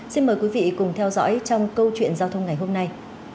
xin mời quý vị cùng theo dõi trong câu chuyện giao thông ngày hôm nay